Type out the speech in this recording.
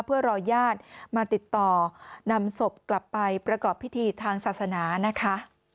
เพื่อรอญาติมาติดต่อนำศพกลับไปประกอบพิธีทางศาสนานะคะ